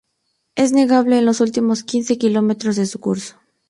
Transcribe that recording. Es navegable en los últimos quince kilómetros de su curso.